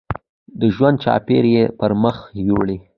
د ژوند چارې یې پر مخ یوړې.